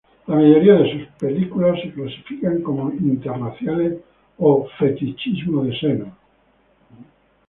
La mayoría de sus películas se clasifican como interraciales o fetichismo de senos.